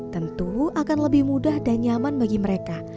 tentu akan lebih mudah dan nyaman bagi mereka